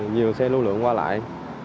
nhiều xe lưu lượng qua lại